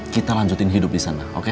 kita lanjutin hidup di sana